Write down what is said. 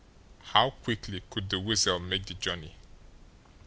How quickly could the Weasel make the journey?